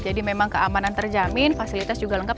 jadi memang keamanan terjamin fasilitas juga lengkap